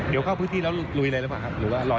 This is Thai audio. เดี๋ยวเข้าพื้นที่แล้วลุยไหนแล้วครับหรือว่ารอเช้า